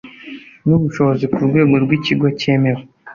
N ubushobozi ku rwego rw ikigo cyemewe